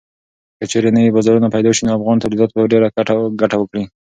که چېرې نوي بازارونه پېدا شي نو افغان تولیدات به ډېره ګټه وکړي.